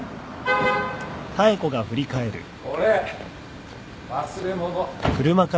・・これ忘れ物。